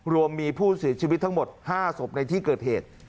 รวมมีผู้เสียชีวิตทั้งหมด๕ศพในที่เกิดเหตุ